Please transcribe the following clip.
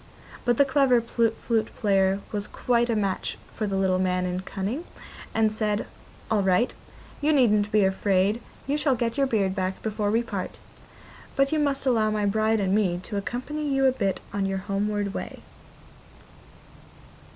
But the clever flute player was quite a match for the little man in cunning, and said: 'All right, you needn't be afraid, you shall get your beard back before we part; but you must allow my bride and me to accompany you a bit on your homeward way.